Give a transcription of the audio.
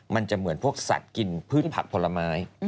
มันจะเหมือนพวกสัตว์กินพืชผักผลไม้